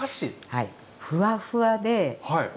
はい。